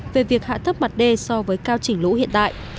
về việc hạ thấp mặt đê so với cao chỉnh lũ hiện tại